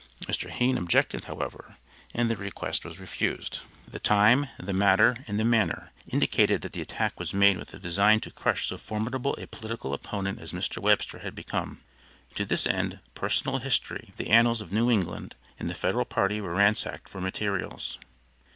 Mr. Hayne objected, however, and the request was refused. The time, the matter, and the manner, indicated that the attack was made with the design to crush so formidable a political opponent as Mr. Webster had become. To this end, personal history, the annals of New England, and the federal party were ransacked for materials.